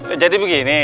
oh jadi begini